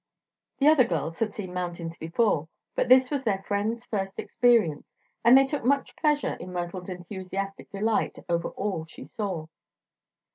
The other girls had seen mountains before, but this was their friend's first experience, and they took much pleasure in Myrtle's enthusiastic delight over all she saw.